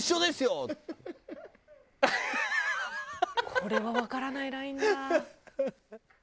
これはわからないラインが。